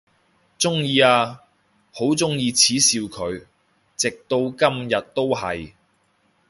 鍾意啊，好鍾意恥笑佢，直到今日都係！